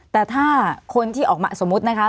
แต่ถ้าคนที่ออกมาสมมุตินะคะ